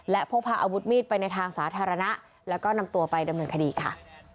และพกพาอาวุธมีดไปในทางสาธารณะแล้วก็นำตัวไปดำเนินคดีค่ะ